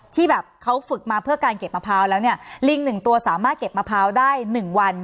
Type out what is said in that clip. ที่แบบเขาฝึกมาเพื่อการเก็บมะพร้าวแล้วเนี่ยลิงหนึ่งตัวสามารถเก็บมะพร้าวได้๑วัน